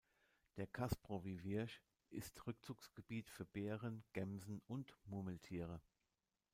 Der Kasprowy Wierch ist Rückzugsgebiet für Bären, Gämsen und Murmeltiere.